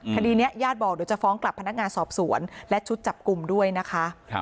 คดีนี้ญาติบอกเดี๋ยวจะฟ้องกลับพนักงานสอบสวนและชุดจับกลุ่มด้วยนะคะ